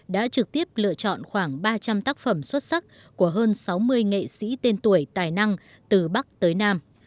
đã trực tiếp lựa chọn khoảng ba trăm linh tác phẩm xuất sắc của hơn sáu mươi nghệ sĩ tên tuổi tài năng từ bắc tới nam